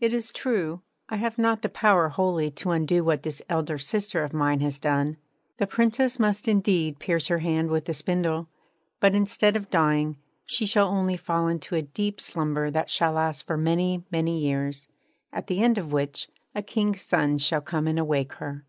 It is true, I have not the power wholly to undo what this elder sister of mine has done. The Princess must indeed pierce her hand with a spindle; but, instead of dying, she shall only fall into a deep slumber that shall last for many, many years, at the end of which a King's son shall come and awake her.